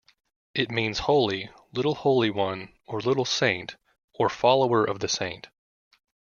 It means "holy", "little holy one" or "little saint", or "follower of the saint".